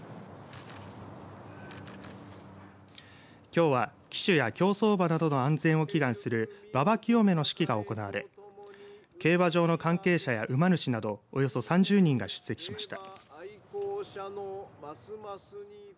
きょうは騎手や競走馬などの安全を祈願する馬場浄めの式が行われ競馬場の関係者や馬主などおよそ３０人が出席しました。